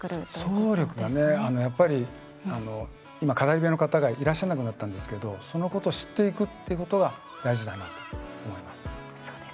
今いらっしゃらなくなったんですがそのことを知っていくということが大事だなと思います。